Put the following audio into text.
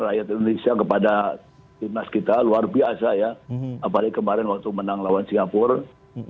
rakyat indonesia kepada timnas kita luar biasa ya apalagi kemarin waktu menang lawan singapura